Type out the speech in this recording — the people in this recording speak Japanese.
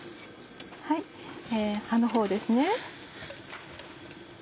葉のほうですね。